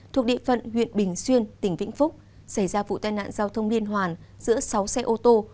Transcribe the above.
thuộc địa phận huyện bình xuyên tỉnh vĩnh phúc xảy ra vụ tai nạn giao thông liên hoàn giữa sáu xe ô tô